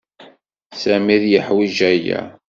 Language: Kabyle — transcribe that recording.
Sami ad yeḥwij aya.